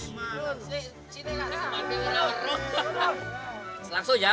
ini sini lah